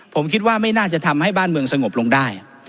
ผมคิดว่าไม่น่าจะทำให้บ้านเมืองสงบลงได้